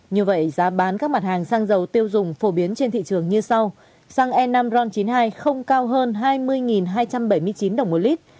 như vậy giá bán các mặt hàng xăng dầu tiêu dùng phổ biến trên thị trường như sau xăng e năm ron chín mươi hai không cao hơn hai mươi hai trăm bảy mươi chín đồng một lít